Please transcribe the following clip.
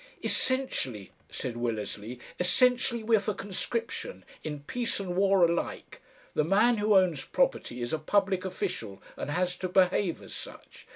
"Essentially," said Willersley, "essentially we're for conscription, in peace and war alike. The man who owns property is a public official and has to behave as such.